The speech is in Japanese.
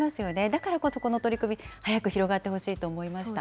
だからこそこの取り組み、早く広がってほしいと思いました。